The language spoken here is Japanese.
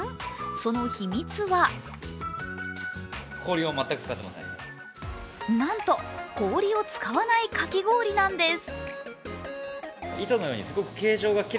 その秘密はなんと氷を使わないかき氷なんです。